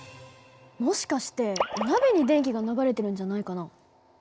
もしかしてお鍋に電気が流れてるんじゃないかな？